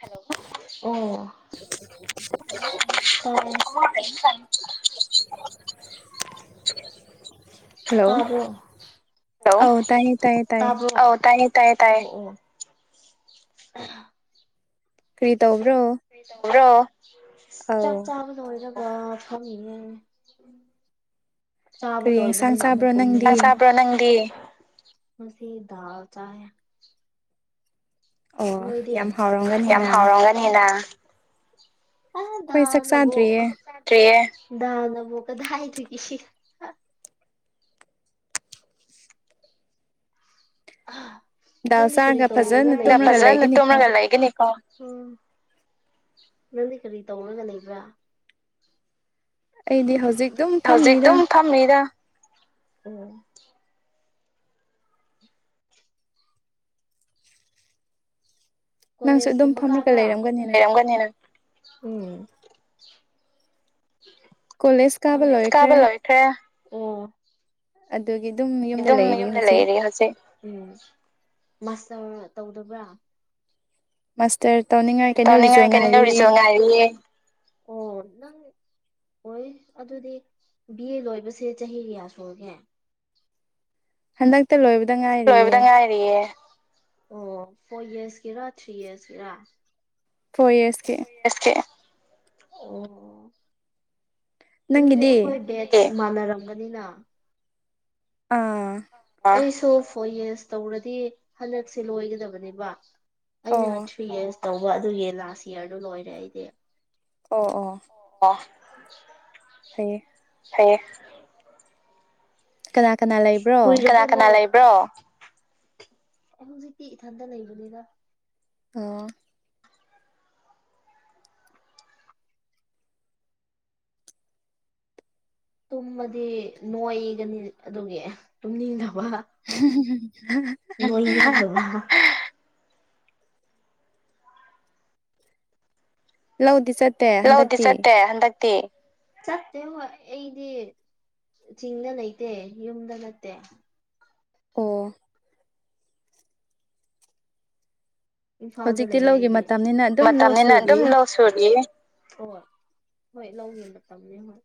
hello ꯑꯣ ꯎ [unintelligible] ꯕ ꯍꯂꯣꯕ ꯇꯥꯏꯌꯦ ꯇꯥꯏꯌꯦ ꯎꯝ ꯀꯔꯤ ꯇꯧꯕ꯭ꯔꯣ ꯕ꯭ꯔꯣ ꯆꯞ ꯆꯥꯕ ꯂꯖ ꯑ ꯊꯦ ꯆꯥꯕ ꯂꯣꯏꯕꯅꯤꯅ ꯑꯃꯨꯛꯨꯝꯅꯤꯡ ꯆꯥꯕ꯭ꯔꯣ ꯅꯪꯗꯤ ꯉꯁꯤ ꯗꯜ ꯆꯥ ꯂꯣꯏ ꯌꯥꯝ ꯍꯥꯎꯔꯝꯒꯅꯤꯅ ꯑꯗ ꯅꯕꯦ ꯅ ꯃ ꯀꯗꯥ ꯍꯥꯏ ꯊ ꯀꯁꯤ ꯉ ꯀꯔꯤ ꯇꯧ ꯐꯖ ꯅ ꯇꯧꯒ ꯂꯩꯒꯅꯤ ꯀ ꯎꯝ ꯅꯪꯗꯤ ꯀꯔꯤ ꯇꯧꯔꯒ ꯂꯩꯕ꯭ꯔꯥ ꯍꯧꯖꯤꯛꯇꯛꯇꯝ ꯐꯝꯃꯤꯔ ꯎ ꯀꯣꯂꯦꯖꯀꯨꯝꯕ ꯀꯥꯕ꯭ꯔꯥ ꯎꯝ ꯀꯥꯕ ꯂꯣꯏꯈ꯭ꯔꯦ ꯎꯝ ꯑꯗꯨꯝ ꯌꯨꯝꯗ ꯂꯩꯔ ꯍꯧꯖꯤꯛ ꯎꯝ ꯃꯥꯁꯇꯔ ꯇꯧꯗꯕ꯭ꯔꯥ ꯇꯅꯤꯡꯉꯥꯏ ꯀꯩꯅ ꯎꯧꯔꯤꯁꯣ ꯉꯥꯏꯔꯤꯌꯦꯦ ꯍꯣꯏ ꯑꯗꯨꯗꯤ ꯕꯤ ꯑꯦ ꯂꯣꯏꯕꯁꯦ ꯆꯍꯤ ꯀꯌꯥ ꯁꯨꯔꯒꯦ ꯣ ꯑꯦꯕꯗ ꯉꯥꯏꯔꯤꯑꯌꯦꯦ ꯑꯣ ꯐꯣꯔ ꯏꯌꯥꯔꯁꯀꯤꯔꯥ ꯊ꯭ꯔꯤ ꯏꯔꯁꯀꯤꯔꯥ ꯐꯣꯔ ꯏꯔꯁꯀꯤ ꯑꯣ ꯑꯗꯨꯗꯤ ꯑꯩꯈꯣꯏ ꯕꯦ ꯃꯥꯟꯅꯔꯝꯒꯅꯤꯅ ꯑꯥ ꯑꯩꯁꯨ ꯐꯣꯔ ꯌꯦꯁ ꯇꯧꯔꯗꯤ ꯍꯟꯗꯛꯁꯦ ꯂꯣꯏꯒꯗꯕꯅꯦꯕ ꯑꯩꯅ ꯊ꯭ꯔꯤ ꯏꯔꯁ ꯇꯧꯕ ꯑꯗꯨꯒꯤ ꯂꯥꯁ ꯌꯌꯥꯔꯗꯨ ꯂꯣꯏꯔꯦ ꯑꯩꯗꯤ ꯑꯣ ꯑꯣ ꯐꯌꯦ ꯀꯨꯏꯒ ꯂ ꯀꯅ ꯂꯩ ꯑꯩ ꯍꯧꯖꯤꯛꯇꯤ ꯏꯊꯟꯇ ꯂꯩꯕꯅꯤꯅ ꯑ ꯇꯨꯝꯃꯗꯤ ꯅꯣꯏꯒꯅꯤ ꯑꯗꯨꯒꯤ ꯇꯨꯝꯅꯤꯡꯗꯕ [unintelligible] ꯍ ꯂꯧꯗꯤ ꯁ ꯂꯧꯗꯤ ꯆꯠꯇꯦ ꯍꯟꯗꯛꯇꯤ ꯆꯠꯇꯦ ꯑꯩꯗꯤ ꯆꯤꯡꯗ ꯂꯩꯇꯦ ꯌꯨꯝꯗ ꯅꯠꯇꯦ ꯑꯣ ꯏꯝꯐꯥꯜꯗ ꯂꯩꯌꯦ ꯑꯩꯗꯤ ꯃꯇꯝꯅꯤꯅ ꯑꯗꯨꯝ ꯂꯧ ꯁꯔꯤ ꯍꯣꯏꯣꯏ ꯍꯣꯏ ꯂꯧꯒꯤꯦ ꯃꯇꯝꯅꯤ ꯍꯣꯏ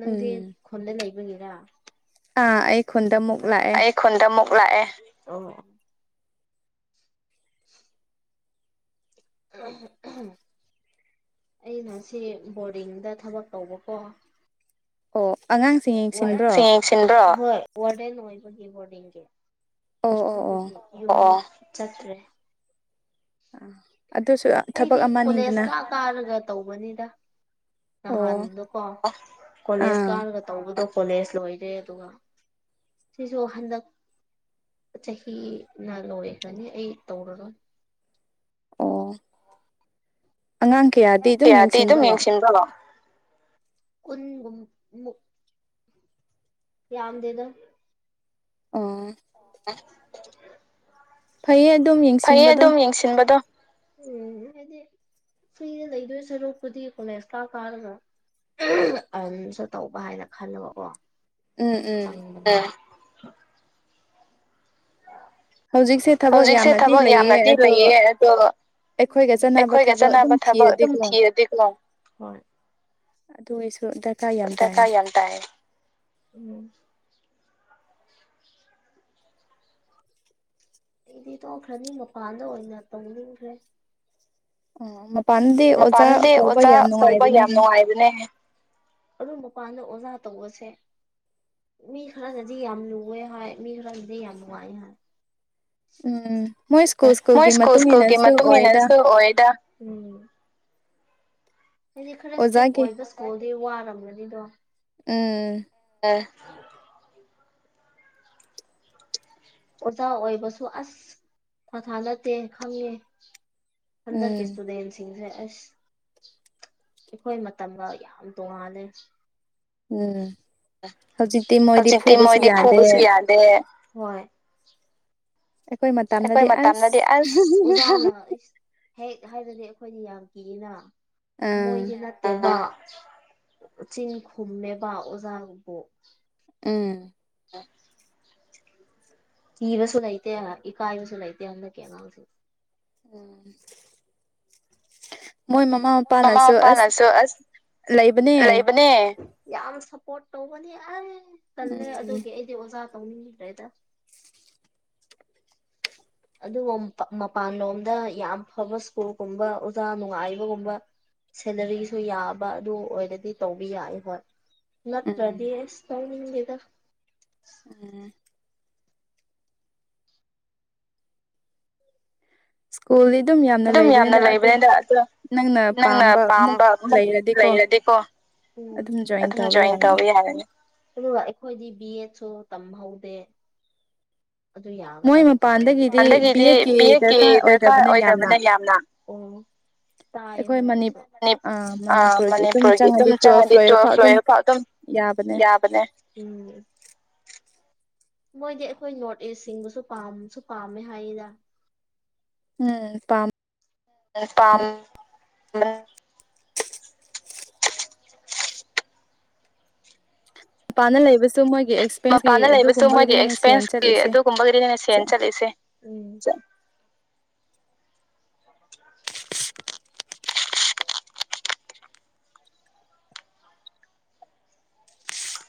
ꯅꯪꯗꯤ ꯈꯨꯣꯟꯗ ꯂꯩ ꯕꯒꯔ ꯑꯥ ꯑꯩ ꯈꯨꯟꯗ ꯑꯃꯨꯛ ꯂꯥꯛꯑꯦ ꯂꯥꯛ ꯑꯦ ꯎ [unintelligible] ꯑ ꯑꯩꯅ ꯁꯤ ꯕꯣꯔꯗꯤꯡꯗ ꯊꯕꯛ ꯇꯧꯕꯀꯣ ꯑꯣ ꯁꯤꯡ ꯌꯦꯡꯁꯤꯟꯕ꯭ꯔꯣ ꯍꯣꯏ ꯋꯥꯔꯗꯦꯟ ꯑꯣꯏꯕꯒꯤ ꯕꯣꯔꯗꯤꯡꯒꯤ ꯑꯗꯨꯒꯤ ꯆꯠ꯭ꯔꯦ ꯑ ꯑꯩꯗꯤ ꯀꯣꯂꯦꯖ ꯀꯥ ꯀꯥꯔꯒ ꯇꯧꯕꯅꯤꯗ ꯅꯍꯥꯟꯗꯣꯀꯣ ꯀꯣꯂꯦꯖ ꯀꯥꯔꯒ ꯇꯧꯕꯗꯣ ꯀꯣꯂꯦꯖ ꯂꯣꯏꯔꯦ ꯑꯗꯨꯒ ꯁꯤꯁꯨ ꯍꯟꯗꯛ ꯆꯍꯤꯅ ꯂꯣꯏꯔꯦꯒꯅꯤ ꯑꯩ ꯇꯧꯔꯔꯣꯏ ꯑꯣ ꯀꯌꯥꯗꯤ ꯑꯗꯨꯝ ꯌꯦꯡꯁꯤꯟꯕꯔꯣ ꯌꯥꯗꯦꯗ ꯑꯣ [unintelligible] ꯐꯩꯌꯦ ꯐꯩꯌꯦ ꯑꯗꯨꯝ ꯌꯦꯡꯁꯤꯟꯕꯗꯣ ꯎ ꯁꯤꯗ ꯏ ꯁꯔ ꯈꯨꯗꯤ ꯀꯅꯁꯂꯥ ꯀꯥꯔꯃ ꯑꯗꯨꯝꯁꯨ ꯇꯧꯕ ꯍꯥꯏꯅ ꯈꯜꯂꯕꯀꯣ ꯆꯪꯕꯗ ꯍꯧꯖꯤꯛꯁꯦ ꯊꯕꯛ ꯌꯥꯝꯅꯗꯤ ꯂꯩꯌꯦ ꯑꯗꯣ ꯑꯩꯈꯣꯏꯒ ꯆꯥꯟꯅꯕ ꯊꯕꯛ ꯑꯗꯨꯝ ꯊꯤꯔꯗꯤꯀꯣ ꯗꯥꯏ ꯌꯥ ꯇꯦ ꯎꯝ ꯑꯩꯗꯤ ꯇꯣꯛꯈ꯭ꯔꯅꯤ ꯃꯄꯥꯟꯗ ꯑꯣꯏꯅ ꯇꯧꯅꯤꯡꯈ꯭ꯔꯦ ꯑ ꯃ ꯃꯄꯥꯟꯗꯤ ꯑꯣꯖꯥ ꯇꯔꯧꯕ ꯌꯥꯝ ꯅꯨꯡꯉꯥꯏꯕꯅꯦ ꯑꯗꯨ ꯃꯄꯥꯟꯗ ꯑꯣꯖꯥ ꯇꯧꯕꯁꯦ ꯃꯤ ꯈꯔ ꯑꯗꯨꯗꯤ ꯌꯥꯝ ꯂꯨꯋꯦ ꯍ ꯃꯤ ꯈꯔ ꯑꯗꯨꯗꯤ ꯌꯥꯝ ꯂꯅꯨꯡꯉꯥꯏ ꯍꯥꯏ ꯎꯝ ꯃꯣꯏ ꯁ꯭ꯀꯨꯜ ꯁ꯭ꯀꯨꯜꯒꯤ ꯃꯇꯨꯡ ꯏꯟꯅꯁꯨ ꯑꯣꯏꯗ ꯍꯥꯏꯗꯤ ꯈꯔ ꯏꯁꯇ꯭ꯔꯤꯛ ꯑꯣꯏꯕ ꯁ꯭ꯀꯨꯜꯗꯤ ꯋꯥꯔꯝꯒꯅꯤꯗꯣ ꯑꯦ ꯑꯣꯖꯥ ꯑꯣꯏꯕꯁꯨ ꯑꯁ ꯊꯊꯥ ꯅꯠꯇꯦ ꯈꯪꯉꯦ ꯑꯗꯛ ꯀꯁꯨꯗꯦꯟ ꯁꯤꯁꯦ ꯑꯁ ꯑꯩꯈꯣꯏ ꯃꯇꯝꯒ ꯌꯥꯝ ꯇꯣꯡꯉꯥꯂꯦ ꯍꯧꯖꯤꯛꯇꯤ ꯃꯣꯏꯗꯤ ꯐꯨꯕꯁꯨ ꯌꯥꯗꯦ ꯑꯩꯈꯣꯏ ꯃꯇꯝꯅꯗꯤ ꯑꯁ ꯎ ꯍꯦꯛ ꯍꯥꯏꯕꯗꯤ ꯑꯩꯈꯣꯏꯗꯤ ꯌꯥꯝ ꯀꯤꯔꯤꯅ ꯃꯣꯏꯗꯤ ꯅꯠꯇꯅ ꯆꯤꯟ ꯈꯨꯝꯃꯦꯕ ꯑꯣꯖꯥꯕꯨ ꯎꯝ ꯑ ꯏꯕꯁꯨ ꯂꯩꯇꯦ ꯏ ꯀꯥꯏꯕꯁꯨ ꯂꯩꯇꯦ ꯍꯗ ꯀꯦ ꯃꯥꯁꯤ ꯎ ꯃꯃꯥ ꯃꯄꯥꯅꯁꯨ ꯑꯁ ꯂꯩꯕꯅꯦ ꯌꯥꯝ ꯁꯞꯄꯣꯔꯠ ꯇꯧꯕꯅꯤ ꯑꯩ ꯀꯜꯂꯦ ꯑꯗꯨꯒꯤ ꯑꯩꯗꯤ ꯑꯣꯖꯥ ꯔꯦꯗ [unintelligible] ꯑꯗꯨꯒ ꯃꯄꯥꯟꯂꯣꯝꯗ ꯌꯥꯝ ꯐꯕ ꯁ꯭ꯀꯨꯜꯒꯨꯝꯕ ꯑꯣꯖꯥ ꯅꯨꯡꯉꯥꯏꯕꯒꯨꯝꯕ ꯁꯦꯂꯔꯤꯁꯨ ꯌꯥꯕ ꯑꯗꯨ ꯑꯣꯏꯔꯗꯤ ꯇꯧꯕ ꯌꯥꯏ ꯍꯣꯏ ꯅꯠꯇ꯭ꯔꯗꯤꯁ ꯇꯅꯤꯗꯗ ꯎ ꯑꯗꯨꯝ ꯌꯥꯝꯅ ꯂꯩꯕꯅꯤꯗ ꯑ ꯅꯪꯅ ꯄꯥꯝꯕ ꯂꯩꯔꯗꯤꯀꯣ ꯎꯝ ꯑꯗꯨꯝ ꯖꯣꯏꯟ ꯇꯧꯕ ꯌꯥꯔꯅꯤ ꯑꯗꯨꯒ ꯑꯩꯈꯣꯏꯗꯤ ꯕꯤ ꯑꯦꯗꯁꯨ ꯇꯝꯍꯧꯗꯦ ꯌꯥꯒꯗꯥ ꯍꯟꯗꯒꯤꯗꯤ ꯕꯤ ꯑꯦꯀꯤ ꯗꯔꯀꯥꯔ ꯑꯣꯏꯗꯕꯅ ꯌꯥꯝꯅ ꯎꯝ ꯑꯥ ꯃꯅꯤꯄꯨꯔꯒꯤ ꯑꯗꯨꯝ ꯆꯪꯉꯗꯤ ꯇꯨꯋꯦꯜꯐ ꯂꯣꯏ ꯐꯥꯎ ꯑꯗꯨꯝ ꯌꯥꯕꯅꯦ [unintelligible] ꯃꯣꯏꯗꯤ ꯑꯩꯈꯣꯏ ꯅꯣꯔꯠ ꯏꯁ ꯁꯤꯡꯕꯨꯁꯨ ꯄꯥꯝꯁꯨ ꯄꯥꯝꯃꯦ ꯍꯥꯏꯔꯤꯗ ꯎꯝ ꯄꯥꯝ ꯄꯝ ꯄꯥꯟꯅ ꯂꯩꯕ ꯃꯄꯥꯟꯗ ꯂꯩꯕꯁꯨ ꯃꯣꯏꯒꯤ ꯑꯦꯛꯁꯄꯦꯟꯁꯀꯤ ꯑꯗꯨꯒꯨꯝꯕꯒꯤꯗꯤꯅꯦ ꯁꯅ ꯆꯠꯂꯤꯁꯦ ꯎ [unintelligible]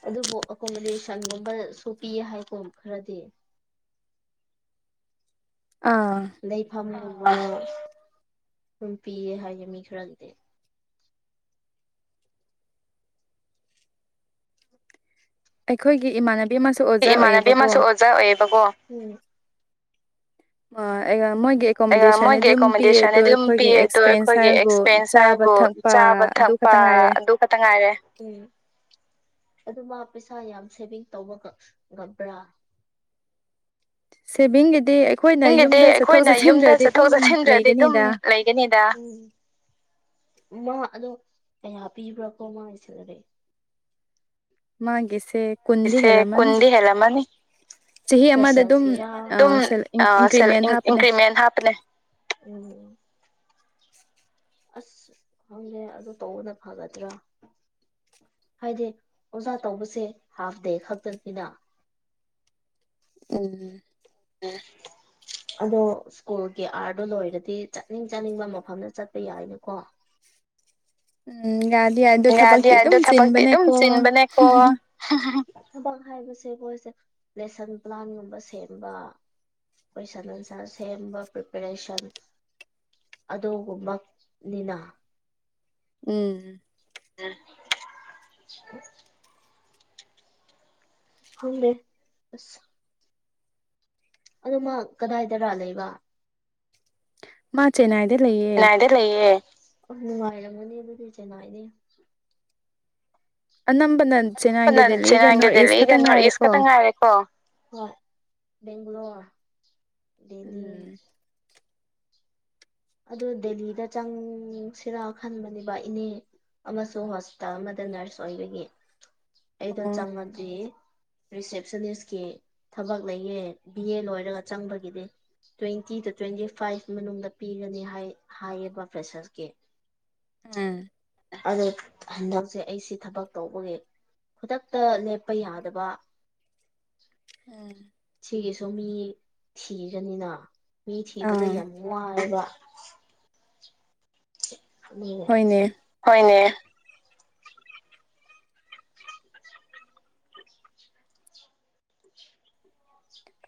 ꯑꯗꯨꯕꯨ ꯑꯦꯀꯣꯃꯣꯗꯦꯁꯟꯒꯨꯝꯕ ꯁ ꯄꯤꯌꯦ ꯍꯥꯏꯀꯣ ꯈꯔꯗꯤ ꯂꯩꯐꯝ ꯑꯗꯨꯝ ꯄꯤꯌꯦ ꯍꯥꯏꯌꯦꯦ ꯃꯤ ꯈꯔꯒꯤꯗꯤ ꯑꯩꯈꯣꯏꯒꯤ ꯏꯃꯥꯟꯅꯕ ꯏꯃꯥꯟꯅꯕꯤ ꯑꯃꯁꯨ ꯑꯣꯖꯥ ꯑꯣꯏꯌꯦꯕꯀꯣ ꯎ ꯑ ꯑꯩ ꯃꯣꯏꯒꯤ ꯑꯦꯀꯣꯃꯤꯣꯗꯦꯁꯟꯗꯗꯤ ꯑꯗꯨꯝ ꯄꯤꯌꯦ ꯑꯗꯣ ꯑꯩꯈꯣꯏꯒꯤ ꯑꯦꯛꯁꯄꯦꯟꯁ ꯍꯥꯏꯕꯨ ꯆꯥꯕ ꯊꯛꯄ ꯊꯛꯄ ꯑꯗꯨ ꯈꯛꯇ ꯉꯥꯏꯔꯦ ꯎꯝ [unintelligible] ꯑꯗꯨ ꯃꯥ ꯄꯩꯁꯥ ꯌꯥꯝ ꯁꯦꯚꯤꯡ ꯇꯧꯕ ꯉꯝꯕ꯭ꯔꯥ ꯁꯤꯕꯤꯡꯒ ꯗꯤ ꯑꯩꯈꯣꯏꯅ ꯌꯨꯝꯗ ꯆꯠꯊꯣꯛ ꯆꯠꯁꯤꯟꯗ꯭ꯔꯗꯤ ꯑꯗꯨꯝ ꯂꯩꯒꯅꯤꯗ [unintelligible] ꯃꯥ ꯑꯗꯣ ꯀꯌꯥ ꯄꯤꯕ꯭ꯔꯥꯀꯣ ꯃꯥꯒꯤ ꯁꯦꯂꯕꯤꯦ ꯃꯥꯒꯤꯦꯁꯤꯦ ꯀꯁꯦ ꯀꯨꯟꯗꯤ ꯍꯦꯂ ꯃꯥꯅꯤ ꯑꯗꯨꯝ ꯏꯟꯀ꯭ꯔꯤꯃꯦꯟ ꯍꯥꯞꯄꯅꯦ ꯎꯝ [inaudible] ꯑꯁ ꯈꯪꯉꯦ ꯑꯗꯨ ꯇꯧꯕꯅ ꯐꯒꯗ꯭ꯔꯥ ꯍꯥꯏꯗꯤ ꯑꯣꯖꯥ ꯇꯧꯕꯁꯦ ꯍꯥꯐ ꯗꯦ ꯈꯛꯇꯅꯤꯅ ꯎꯝ ꯎꯝ ꯑꯗꯣ ꯁ꯭ꯀꯨꯜꯒꯤ ꯑꯥꯔꯗꯣ ꯂꯣꯏꯔꯗꯤ ꯆꯠꯅꯤꯡ ꯆꯥꯅꯤꯡꯕ ꯃꯐꯝꯗ ꯆꯠꯄ ꯌꯥꯏꯅꯀꯣ ꯎꯝ ꯌꯥꯗ ꯉꯗꯤꯌꯥꯗ ꯊꯕꯛꯇꯤ ꯑꯗꯨꯝ ꯁꯤꯤꯟꯕꯅꯦꯀꯣ ꯊꯕꯛ ꯍꯥꯏꯕꯁꯦ ꯃꯈꯣꯏꯁꯦ ꯂꯦꯁꯟ ꯄ꯭ꯂꯥꯟꯒꯨꯝꯕ ꯁꯦꯝꯕ ꯀꯣꯏꯁꯟ ꯑꯟꯁꯔ ꯁꯦꯝꯕ ꯄ꯭ꯔꯤꯄꯦꯔꯦꯁꯟ ꯑꯗꯨꯃꯛꯅꯤꯅ ꯎꯝ ꯎ ꯍꯅꯦ ꯑꯁ ꯑꯗꯨ ꯃꯥ ꯀꯗꯥꯏꯗꯔ ꯂꯩꯕ ꯃꯥ ꯆꯦꯟꯅꯥꯏꯗ ꯂꯩꯌꯦ ꯑ ꯅꯨꯡꯉꯥꯏꯔꯝꯃꯅꯦꯕꯨꯗꯤꯁꯦꯅꯥꯏꯅꯦꯦ ꯄ ꯅ ꯆꯉꯗꯦꯜꯂꯤꯒ ꯅ ꯏꯁ ꯀ ꯇꯪꯥꯏꯔꯦꯀꯣ ꯕꯦꯡ꯭ꯂꯨꯣꯔ ꯗꯦꯂꯤ ꯑꯗꯨ ꯗꯦꯂꯤꯗ ꯆꯪꯁꯤꯔꯥ ꯈꯟꯕꯅꯦꯕ ꯏꯅꯦ ꯑꯃꯁꯨꯡ ꯍꯣꯁꯄꯤꯇꯥꯜ ꯑꯃꯗ ꯅꯔꯁ ꯑꯣꯏꯕꯒꯤ ꯑꯩꯗꯣ ꯆꯪꯃꯗꯤ ꯔꯤꯁꯦꯞꯁꯅꯤꯁꯀꯤ ꯊꯕꯛ ꯂꯩꯌꯦꯦ ꯕꯤ ꯑꯦ ꯂꯣꯏꯔꯒ ꯆꯪꯕꯒꯤꯗꯤ ꯇ꯭ꯋꯦꯟꯇꯤ ꯑꯩꯗꯨ ꯇ꯭ꯋꯦꯟꯇꯤ ꯐꯥꯏꯚ ꯃꯅꯨꯡꯗ ꯄꯤꯒꯅꯤ ꯍꯥꯏ ꯍꯥꯏꯌꯦꯕ ꯐ꯭ꯔꯦꯁꯁꯀꯤ ꯑꯝ ꯑꯣ ꯍꯟꯗꯛꯁꯦ ꯑꯩꯁꯤ ꯊꯕꯛ ꯇꯧꯕꯒꯤ ꯈꯨꯗꯛꯇ ꯂꯦꯞꯄ ꯌꯥꯗꯕ ꯎꯝ ꯁꯤꯒꯤꯁꯨ ꯃꯤ ꯊꯤꯒꯅꯤꯅ ꯃꯤ ꯊꯤꯕꯗꯣ ꯌꯥꯝ ꯋꯥꯏꯕ ꯍꯣꯏꯅꯦ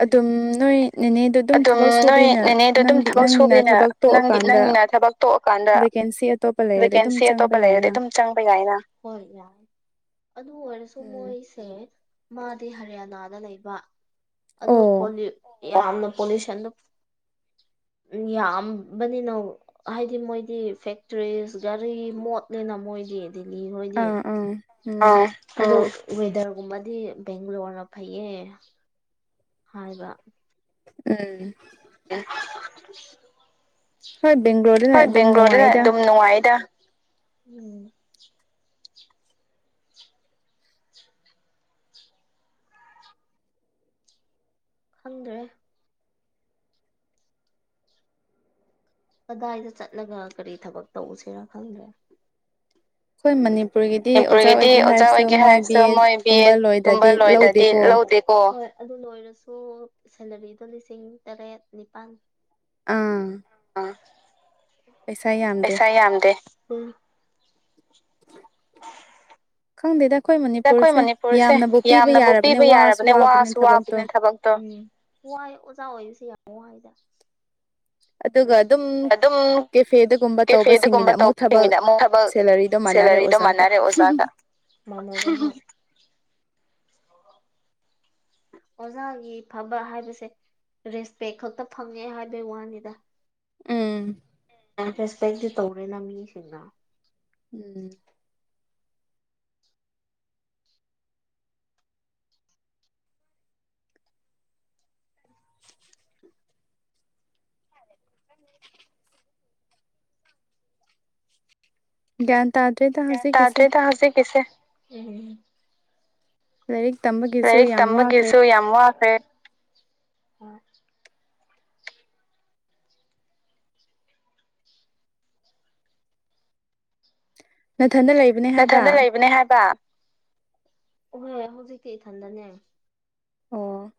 ꯑꯗꯨꯝ ꯅꯣꯏ ꯑꯗꯨꯝ ꯅꯣꯏ ꯅꯦꯅꯦꯗ ꯑꯗꯨꯝ ꯊꯕꯛ ꯁꯨꯕꯅꯤꯅ ꯅꯪꯒꯤ ꯅꯪꯅ ꯊꯕꯛ ꯇꯣꯛꯑꯀꯥꯟꯗ ꯚꯦꯀꯦꯟꯁꯤ ꯑꯇꯣꯞꯄ ꯂꯩꯔꯗꯤ ꯑꯗꯨꯝ ꯆꯪꯕ ꯌꯥꯏꯅ ꯑꯗꯨ ꯑꯣꯏꯔꯁꯨ ꯃꯣꯏꯁꯦ ꯃꯥꯗꯤ ꯍꯔꯤꯌꯥꯅꯥꯗ ꯂꯩꯕ ꯑꯗꯣ ꯄꯣꯨ ꯌꯥꯝꯅ ꯄꯣꯂꯤꯨꯁꯟꯗ [inaudible] ꯌꯥꯝꯕꯅꯤꯅ ꯍꯥꯏꯗꯤ ꯃꯣꯏꯗꯤ ꯐꯦꯛꯇꯔꯤꯁ ꯒꯥꯔꯤ ꯃꯣꯠꯂꯦꯅ ꯃꯣꯏꯗꯤ ꯗꯜꯂꯤ ꯍꯗꯤꯦ ꯋꯦꯗꯔꯒꯨꯝꯕꯗꯤ ꯕꯦꯡꯒꯂꯣꯔꯅ ꯐꯩꯌꯦ ꯍꯥꯏꯕ ꯎꯝ ꯎ ꯍꯣꯏ ꯕꯦꯡꯒ꯭ꯂꯣꯔꯗꯅ ꯑꯗꯨꯝ ꯅꯨꯡꯉꯥꯏꯗ ꯎꯝ ꯈꯪꯗ꯭ꯔꯦ ꯀꯗꯥꯏꯗ ꯆꯠꯂꯒ ꯀꯔꯤ ꯊꯕꯛ ꯇꯧꯁꯤꯦꯔ ꯈꯪꯗ꯭ꯔꯦ ꯑꯩꯈꯣꯏ ꯃꯅꯤꯨꯔ ꯃꯅꯤꯄꯨꯔꯒꯤꯗꯤ ꯑꯣꯖꯥ ꯑꯣꯏꯒꯦ ꯍꯥꯏꯔꯁꯨ ꯃꯣꯏ ꯕꯤ ꯑꯦꯗꯒꯨꯝꯕ ꯂꯣꯏꯗꯗꯤ ꯂꯧꯗꯦꯀꯣ ꯑꯗꯨ ꯂꯣꯏꯔꯁꯨ ꯁꯦꯂꯔꯤꯗꯣ ꯂꯤꯁꯤꯡ ꯇꯔꯦꯠ ꯅꯤꯄꯥꯜ ꯑꯥ ꯄꯩꯁꯥ ꯌꯥꯝꯗꯦ ꯈꯪꯗꯗ ꯑꯩꯈꯣꯏ ꯃꯅꯤꯄꯨꯔꯁꯦ ꯌꯥꯝꯅꯕꯨ ꯄꯤꯕ ꯌꯥꯔꯕꯅꯦ ꯋꯥꯁꯨ ꯋꯥꯕꯅꯦ ꯊꯕꯛꯇꯣ ꯎꯝ ꯋꯥ ꯑꯣꯖꯥ ꯑꯣꯏꯁ ꯌꯥꯝꯗ [unintelligible] ꯑꯗꯨꯒ ꯑꯗꯨꯝ ꯀꯦꯐꯦꯗꯒꯨꯝꯕ ꯇꯧꯕꯁꯤꯡꯒꯤꯅ ꯑꯃꯨꯛ ꯊꯕꯛ ꯁꯦꯂꯔꯤꯗꯣ ꯃꯥꯟꯅꯔꯦ ꯑꯣꯖꯒ ꯍ ꯑꯣꯖꯥꯒꯤ ꯐꯕ ꯍꯥꯏꯕꯁꯦ ꯔꯦꯁꯄꯦꯛ ꯈꯛꯇ ꯐꯪꯉꯦ ꯍꯥꯏꯕꯩ ꯋꯥꯅꯤꯗ ꯃꯅꯤꯐꯦꯁꯄꯦꯛꯇꯤ ꯇꯧꯔꯦꯅ ꯃꯤꯁꯤꯡꯅ ꯎꯝ [unintelligible] [unintelligible] [unintelligible] ꯀ ꯇꯥꯖꯩꯗ ꯍꯧꯖꯤꯛ ꯀꯁꯦ ꯂꯥꯏꯔꯤꯛ ꯇꯝꯕꯒꯤꯁꯨ ꯌꯥꯝ ꯋꯥꯈ꯭ꯔꯦ ꯏꯊꯟꯗ ꯂꯩꯕꯅꯦ ꯍꯥꯏꯕ ꯎꯍꯣꯏ ꯍꯧꯖꯤꯛꯇꯤ ꯏꯊꯟꯗꯅꯦ ꯑꯣ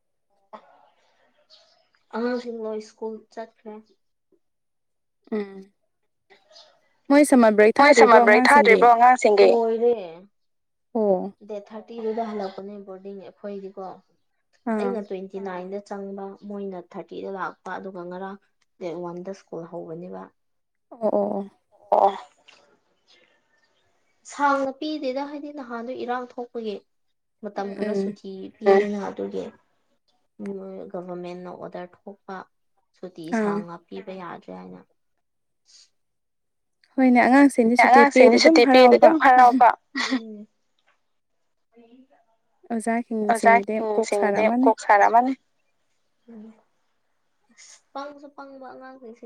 ꯑꯁꯤꯡꯣ ꯁ꯭ꯀꯨꯜ ꯆꯠ꯭ꯔꯦ ꯑꯝ ꯃꯣꯏ ꯁꯝꯃ ꯕ꯭ꯔꯦꯛ ꯊꯥꯗ꯭ꯔꯤꯕ꯭ꯔꯣ ꯑꯉꯥꯡꯁꯤꯡꯒꯤ ꯗꯦꯠ ꯊꯥꯔꯇꯤꯗꯨꯗ ꯍꯜꯂꯛꯄꯅꯦ ꯕꯣꯔꯗꯤꯡ ꯑꯩꯈꯣꯏꯗꯤꯀꯣ ꯑꯩꯅ ꯇ꯭ꯋꯦꯟꯇꯤ ꯅꯥꯏꯟꯗ ꯆꯪꯕ ꯃꯣꯏꯅ ꯊꯥꯔꯇꯤꯗ ꯂꯥꯛꯄ ꯑꯗꯨꯒ ꯉꯔꯥꯡ ꯗꯦꯠ ꯋꯥꯟꯗ ꯁ꯭ꯀꯨꯜ ꯍꯧꯕꯅꯦꯕ ꯑꯣ ꯁꯥꯡꯅꯄꯤꯤꯗꯦꯗ ꯍꯥꯏꯗꯤ ꯅꯍꯥꯟꯗꯣ ꯏꯔꯥꯡ ꯊꯣꯛꯄꯒꯤ ꯃꯇꯝ ꯈꯔ ꯁꯨꯊꯤ ꯑꯗꯨꯅ ꯑꯗꯨꯒꯤ ꯒꯚꯔꯃꯦꯟꯅ ꯑꯣꯔꯗꯔ ꯊꯣꯛꯄ ꯁꯨꯇꯤ ꯁꯥ ꯉꯥꯛꯄꯤꯕ ꯌꯥꯗ꯭ꯔꯦ ꯍꯥꯏꯅ ꯣꯏꯅꯦ ꯑꯉꯥꯡꯁꯤꯡꯅ ꯁꯨꯇꯤ ꯄꯤꯗ ꯑꯗꯨꯝ ꯍꯔꯥꯎꯕ ꯎ ꯑꯣꯖꯥ ꯁꯤꯡꯗ ꯀꯣꯛ ꯁꯥꯔꯃꯅꯤ ꯎ ꯑ ꯄꯪꯁꯨ ꯄꯪꯕ ꯑꯉꯥꯡꯈꯩꯁ